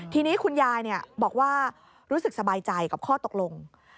ทีนี้คุณยายบอกว่ารู้สึกสบายใจกับข้อตกลง